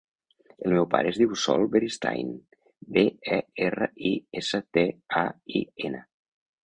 El meu pare es diu Sol Beristain: be, e, erra, i, essa, te, a, i, ena.